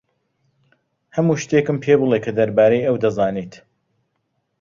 هەموو شتێکم پێ بڵێ کە دەربارەی ئەو دەزانیت.